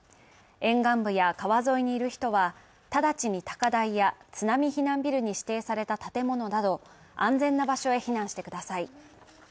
沿岸部や川沿いにいる人は直ちに高台や津波避難ビルに指定された建物など安全な場所へ避難してください。